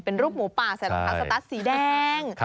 เป็นรูปหมูป่าสัตว์สีแดง